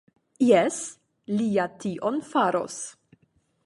Jes, li ja tion faros.